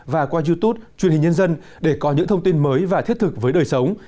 và qua youtube truyền hình nhân dân để có những thông tin mới và thiết thực với đời sống